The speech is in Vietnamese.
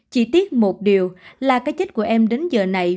chỉ tiếc một điều là cái chết của em đến giờ này